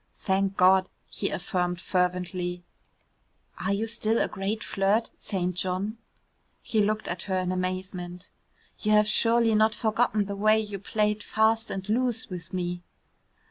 "Thank God," he affirmed fervently. "Are you still a great flirt, St. John?" He looked at her in amazement. "You have surely not forgotten the way you played fast and loose with me?"